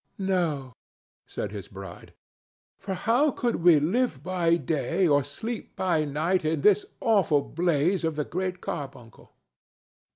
"No," said his bride, "for how could we live by day or sleep by night in this awful blaze of the Great Carbuncle?"